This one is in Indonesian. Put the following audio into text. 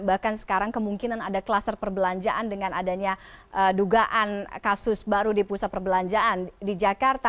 bahkan sekarang kemungkinan ada kluster perbelanjaan dengan adanya dugaan kasus baru di pusat perbelanjaan di jakarta